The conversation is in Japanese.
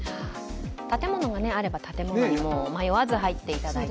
建物があれば建物に迷わず入っていただいて。